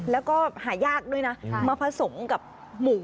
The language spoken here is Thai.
แล้วก็หายากด้วยนะมาผสมกับหมู